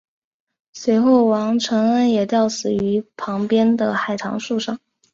随后王承恩也吊死于旁边的海棠树上。